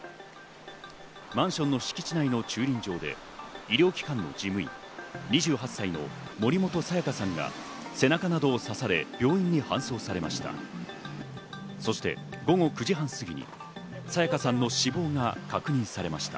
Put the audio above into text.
マンションの敷地内の駐輪場で医療機関の事務員２８歳の森本彩加さんが背中などを刺され、病院へ搬送されました。